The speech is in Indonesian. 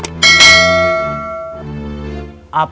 apakah dihalang sampai sudah hidup